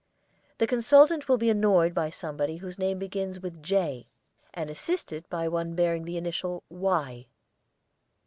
The consultant will be annoyed by somebody whose name begins with 'J,' and assisted by one bearing the initial 'Y.'